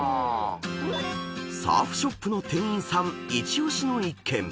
［サーフショップの店員さん一押しの１軒］